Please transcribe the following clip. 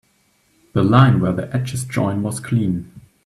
The line where the edges join was clean.